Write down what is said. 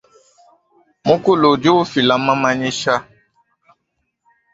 Mukulu udi ufila mamanyisha.